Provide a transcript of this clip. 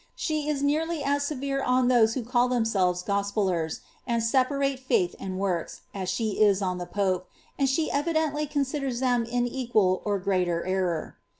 She is nearly as severe on those who call themselves gospellers, and separate faith and works, as she is on the pope ; and she evidently considers them in equal or greater error.